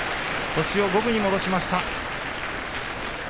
星を五分に戻しました。